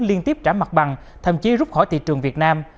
liên tiếp trả mặt bằng thậm chí rút khỏi thị trường việt nam